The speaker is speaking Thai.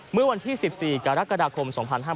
เมื่อวันที่๑๔กรกฎาคม๒๕๕๙